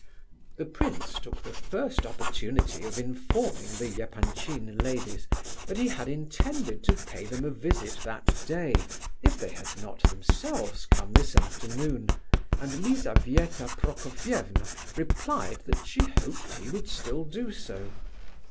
The prince took the first opportunity of informing the Epanchin ladies that he had intended to pay them a visit that day, if they had not themselves come this afternoon, and Lizabetha Prokofievna replied that she hoped he would still do so.